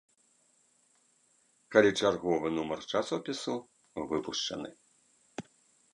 Калі чарговы нумар часопісу выпушчаны.